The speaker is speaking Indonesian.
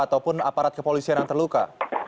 ataupun aparat kepolisian yang terluka